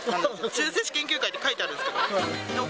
中世史研究会って書いてあるんですけど。